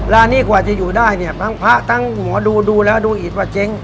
ร้านนี้กว่าจะอยู่ได้เนี่ยทั้งพระทั้งหมอดูดูแล้วดูอิดว่าเจ๊ง